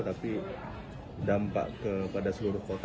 tapi dampak kepada seluruh kota